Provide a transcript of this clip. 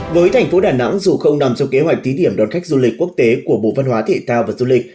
với thành phố đà nẵng dù không nằm trong kế hoạch thí điểm đón khách du lịch quốc tế của bộ văn hóa thể thao và du lịch